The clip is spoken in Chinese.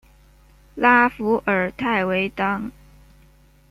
拉弗尔泰维当。